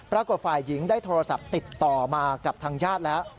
ปรากฏฝ่ายหญิงได้โทรศัพท์ติดต่อมากับทางญาติแล้ว